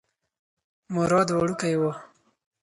مراد وړوکی و.